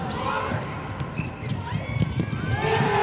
สวัสดีครับ